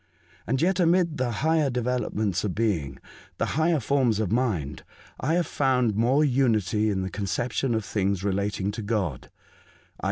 And yet amid the higher develop ments of being, the higher forms of mind, I have found more unity in the conception of things relating to God, i.